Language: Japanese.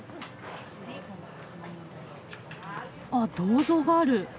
あっ銅像がある。